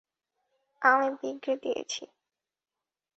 আমি বিগড়ে দিয়েছি।